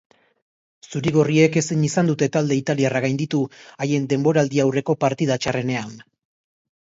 Zuri-gorriek ezin izan dute talde italiarra gainditu, haien denboraldiaurreko partida txarrenean.